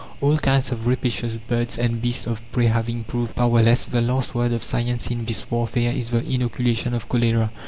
All kinds of rapacious birds and beasts of prey having proved powerless, the last word of science in this warfare is the inoculation of cholera!